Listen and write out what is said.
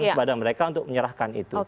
kepada mereka untuk menyerahkan itu